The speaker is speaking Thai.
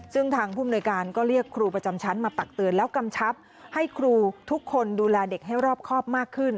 ซึ่งทางภูมิหน่วยการก็เรียกครูประจำชั้นมาตักเตือนแล้วกำชับให้ครูทุกคนดูแลเด็กให้รอบครอบมากขึ้น